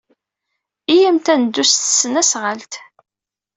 Iyyamt ad neddu s tesnasɣalt.